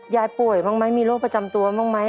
ยายป่วยบ้างไหมมีโรคประจำตัวบ้างไหม